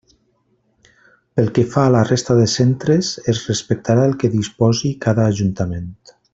Pel que fa a la resta de centres es respectarà el que disposi cada Ajuntament.